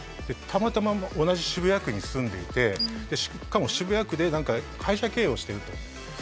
たまたま同じ渋谷区に住んでいてしかも渋谷区でなんか会社経営をしていると。